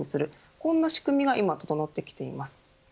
こんな仕組みが今整ってきています。